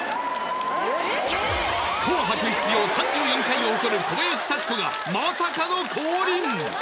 紅白出場３４回を誇る小林幸子がまさかの降臨！